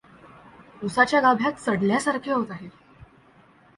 उसाच्या गाभ्यात सडल्यासारखे होत आहे.